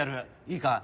いいか？